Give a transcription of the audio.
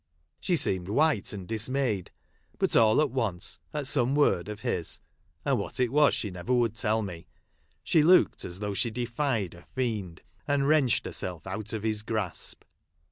She seemed white and dismayed ; but all at once, at some word of hia, (and what it was she never would tell me), she looked as though she defied a iiend, and wrenched herself out ol his grasp.